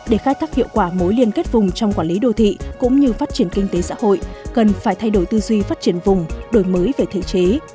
để khai thác hiệu quả mối liên kết vùng trong quản lý đô thị cũng như phát triển kinh tế xã hội